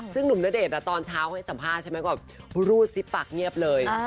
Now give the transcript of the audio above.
ซึ่งหนุ่มณเดชน์ตอนเช้าให้สัมภาษณ์ใช่ไหมก็รูดซิบปากเงียบเลย